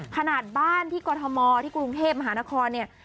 ขนาดบ้านที่กรทมที่กรุงเทพมหานครเนี่ย